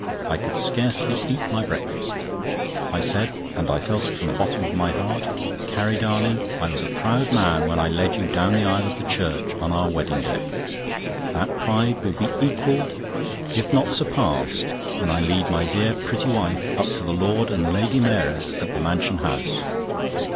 I could scarcely eat my breakfast. I said—and I felt it from the bottom of my heart,—"Carrie darling, I was a proud man when I led you down the aisle of the church on our wedding day; that pride will be equalled, if not surpassed, when I lead my dear, pretty wife up to the Lord and Lady Mayoress at the Mansion House."